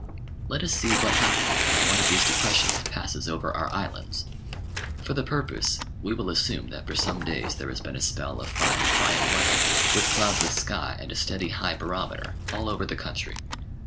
Let us see what happens when one of these depressions passes over our Islands. For the purpose we will assume that for some 782 The Outline of Science days there has been a spell of fine quiet weather, with cloudless sky and a steady high barometer, all over the country.